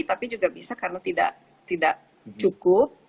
tapi juga bisa karena tidak cukup